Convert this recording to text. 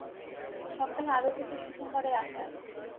সপ্তাহে আরও কিছু সুসংবাদের আশায় আছি।